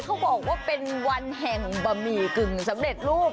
เขาบอกว่าเป็นวันแห่งบะหมี่กึ่งสำเร็จรูป